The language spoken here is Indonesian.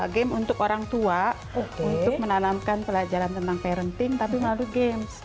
game untuk orang tua untuk menanamkan pelajaran tentang parenting tapi melalui games